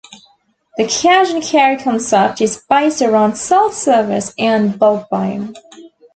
The cash-and-carry concept is based around self-service and bulk buying.